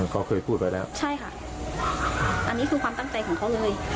เขาเคยพูดไปแล้วใช่ค่ะอันนี้คือความตั้งใจของเขาเลย